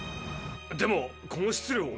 でもこの質量を？